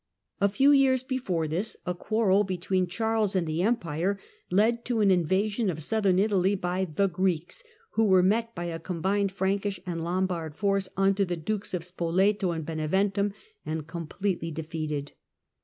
A few years before this, a quarrel between Charles and the Empire led to an invasion of Southern Italy by the " Greeks," who were met by a combined Frankish and Lombard force under the Dukes of Spoleto and Beneventum and completely defeated.